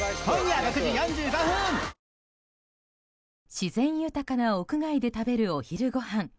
自然豊かな屋外で食べるお昼ごはん。